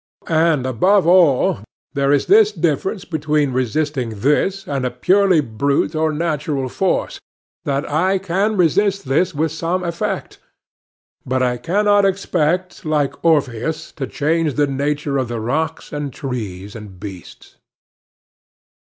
And, above all, there is this difference between resisting this and a purely brute or natural force, that I can resist this with some effect; but I cannot expect, like Orpheus, to change the nature of the rocks and trees and beasts.